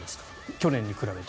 去年と比べて。